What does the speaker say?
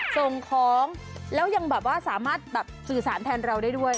ส่งของแล้วยังแบบว่าสามารถแบบสื่อสารแทนเราได้ด้วย